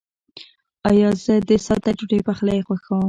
زه د ساده ډوډۍ پخلی خوښوم.